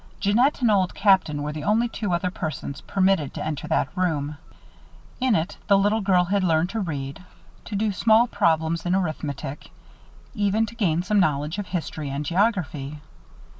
Jeannette and Old Captain were the only two other persons permitted to enter that room. In it the little girl had learned to read, to do small problems in arithmetic, even to gain some knowledge of history and geography.